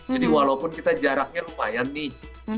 jadi walaupun kita jaraknya lumayan nih